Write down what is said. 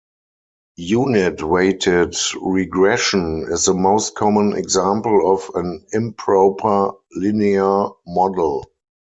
Unit-weighted regression is the most common example of an improper linear model.